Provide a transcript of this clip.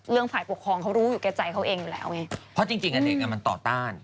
ฝ่ายปกครองเขารู้อยู่แก่ใจเขาเองอยู่แล้วไงเพราะจริงจริงอ่ะเด็กอ่ะมันต่อต้าน